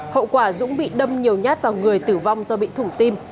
hậu quả dũng bị đâm nhiều nhát vào người tử vong do bị thủng tim